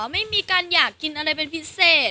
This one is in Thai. ไม่มีการอยากกินอะไรเป็นพิเศษ